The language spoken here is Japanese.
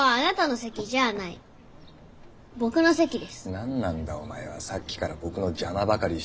なんなんだおまえは⁉さっきから僕の邪魔ばかりして。